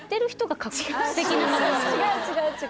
それ違う違う違う！